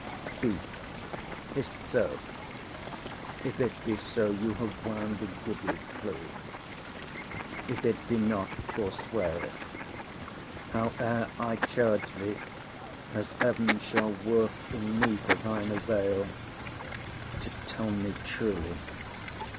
Speak, is't so? If it be so, you have wound a goodly clew; If it be not, forswear't: howe'er, I charge thee, As heaven shall work in me for thine avail, To tell me truly.